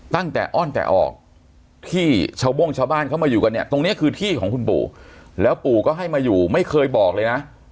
ตั้งแต่อ้อนแต่ออกที่ชาวโบ้งชาวบ้านเขามาอยู่กันเนี่ยตรงนี้คือที่ของคุณปู่แล้วปู่ก็ให้มาอยู่ไม่เคยบอกเลยนะ